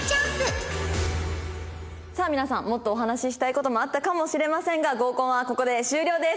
皆さんもっとお話ししたい事もあったかもしれませんが合コンはここで終了です。